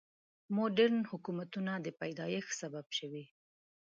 مډرنو حکومتونو د پیدایښت سبب شوي.